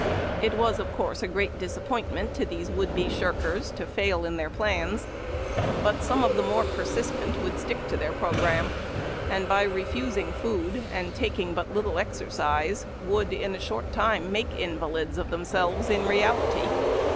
It was, of course, a great disappointment A BAY IN CAMP. I'T^S to these would be slm kers to fail in their plans, but some of the more persistent would stick to their programme, and by refusino food and taking but little exercise, would m a short time nmke invalids of themselves in reality.